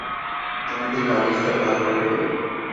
তোমাদের কাগজটা বার করে ফেল।